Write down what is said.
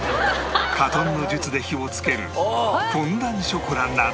火遁の術で火をつけるフォンダンショコラなど